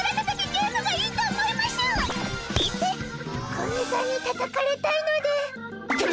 古見さんにたたかれたいので。